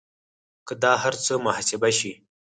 که دا هر څه محاسبه شي